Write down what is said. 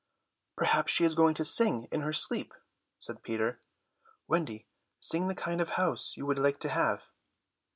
"Perhaps she is going to sing in her sleep," said Peter. "Wendy, sing the kind of house you would like to have."